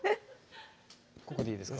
ここでいいですか？